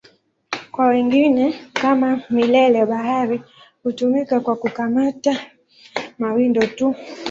Kwa wengine, kama mileli-bahari, hutumika kwa kukamata mawindo tu.